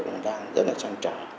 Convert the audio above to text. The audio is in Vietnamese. chúng tôi đang rất là sang trả